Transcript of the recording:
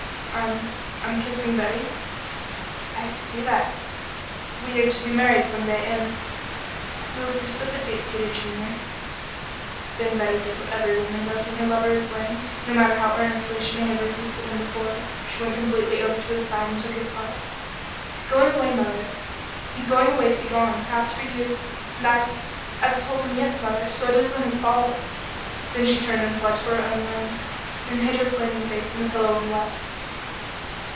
"I I'm kissing Betty." "I see that." "We are to be married some day and " "You are precipitate, Peter Junior." Then Betty did what every woman does when her lover is blamed, no matter how earnestly she may have resisted him before. She went completely over to his side and took his part. "He's going away, mother. He's going away to be gone perhaps for years; and I've I've told him yes, mother, so it isn't his fault." Then she turned and fled to her own room, and hid her flaming face in the pillow and wept.